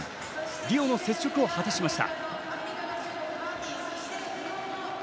リオの雪辱を果たしました。